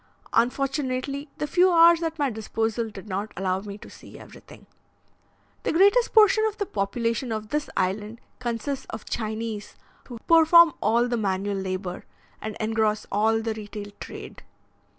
Unfortunately, the few hours at my disposal did not allow me to see everything. The greatest portion of the population of this island consists of Chinese, who perform all the manual labour, and engross all the retail trade.